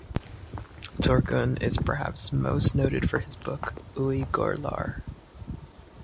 Turghun is perhaps most noted for his book "Uyghurlar".